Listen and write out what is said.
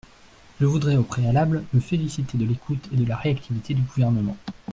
Je voudrais au préalable me féliciter de l’écoute et de la réactivité du Gouvernement.